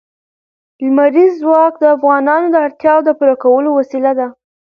لمریز ځواک د افغانانو د اړتیاوو د پوره کولو وسیله ده.